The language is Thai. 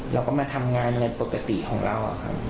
เราก็มาทำงานในปกติของเรา